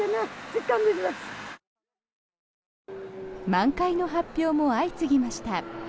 満開の発表も相次ぎました。